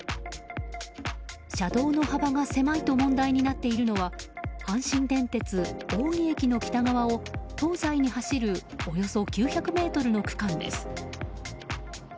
車道の幅が狭いと問題になっているのは阪神電鉄青木駅の北側を東西に走るおよそ９００ｍの区間です。